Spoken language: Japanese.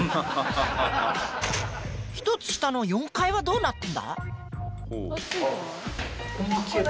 １つ下の４階はどうなってんだ？